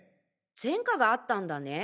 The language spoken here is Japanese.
前科があったんだね。